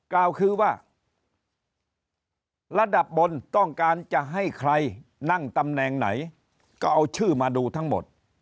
กล่าวคือว่าระดับบนต้องการจะให้ใครนั่งตำแหน่งไหนก็เอาชื่อมาดูทั้งหมด